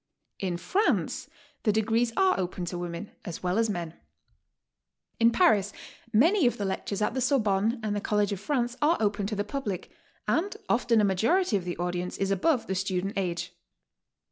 In France the degrees are open to women as well as men. In Paris many of the lectures at the Sorbonne and the College of France are open to the public, and often a ma jority of the audience is above the student age.